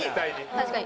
確かに。